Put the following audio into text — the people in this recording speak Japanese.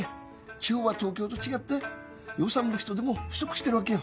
地方は東京と違って予算も人手も不足してるわけよ。